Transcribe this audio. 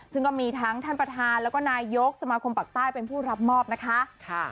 ซึ่งก็มีทั้งท่านประธานแล้วก็นายยกสมาคมปากใต้เป็นผู้รับมอบนะคะ